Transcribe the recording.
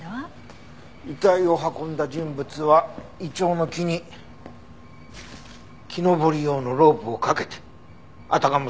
遺体を運んだ人物はイチョウの木に木登り用のロープをかけてあたかも